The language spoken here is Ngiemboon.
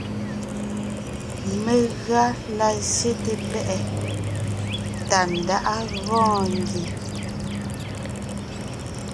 Megʉa la zsyete pɛ́ʼɛ Tàndáʼa gɔɔn ngie.